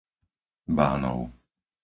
Bánov